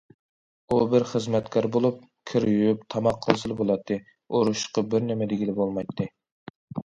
ئۇ بىر خىزمەتكار بولۇپ، كىر يۇيۇپ، تاماق قىلسىلا بولاتتى، ئۇرۇشۇشقا بىرنېمە دېگىلى بولمايتتى.